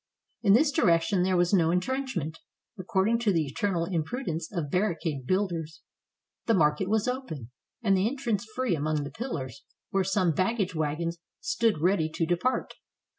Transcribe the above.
In this direction there was no intrenchment, according to the eternal imprudence of barricade builders; the market was open, and the entrance free among the pillars where some baggage wagons stood ready to depart.